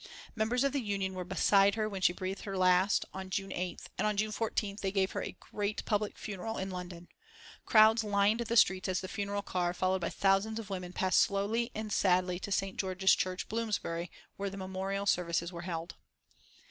Members of the Union were beside her when she breathed her last, on June 8th, and on June 14th they gave her a great public funeral in London. Crowds lined the streets as the funeral car, followed by thousands of women, passed slowly and sadly to St. George's Church, Bloomsbury, where the memorial services were held.